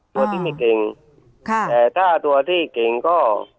ตัวที่ไม่เก่งค่ะแต่ถ้าตัวที่เก่งก็